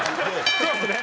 そうですね。